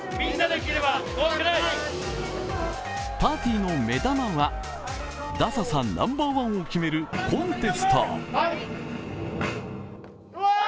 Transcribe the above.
パーティーの目玉は、ダサさナンバーワンを決めるコンテスト。